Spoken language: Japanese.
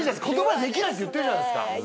言葉にできないって言ってるじゃないですか。